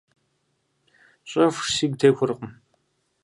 Щӏэфш, сигу техуэркъым.